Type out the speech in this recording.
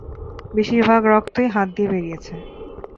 বেশিরভাগ রক্তই হাত দিয়ে বেরিয়েছে।